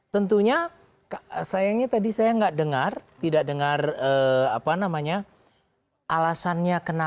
tentunya sayangnya tadi saya tidak dengar tidak dengar alasannya kenapa